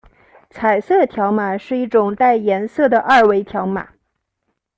彩色条码是一种带颜色的二维条码。